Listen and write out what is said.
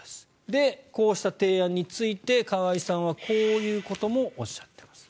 で、こうした提案について河合さんはこういうこともおっしゃっています。